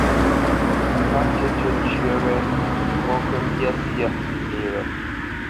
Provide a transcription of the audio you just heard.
Páp tí tʉ̄ njyə́ wé ŋgɔ́ kə́ mbyá syâ nté wé.